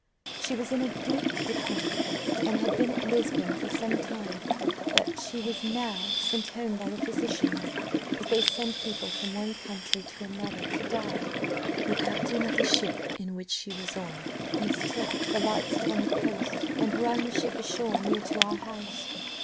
"She was in a deep decline, and had been at Lisbon for some time, but she was now sent home by the physicians, as they send people from one country to another to die. The captain of the ship in which she was mistook the lights upon the coast, and ran the ship ashore near to our house.